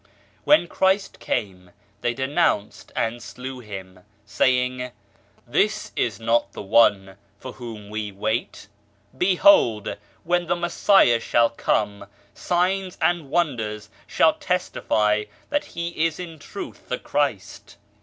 When Christ came they denounced and slew Him, saying :" This is not the One for whom we wait. Behold when the Messiah shall come, signs and wonders shall testify that He is in truth the Christ.